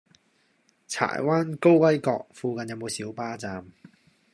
柴灣高威閣附近有無小巴站？